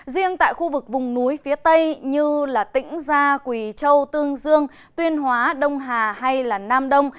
riêng tại khu vực vùng núi phía tây như tĩnh gia quỳ châu tương dương tuyên hóa đông hà hay nam đông